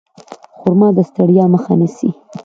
خرما د ستړیا مخه نیسي.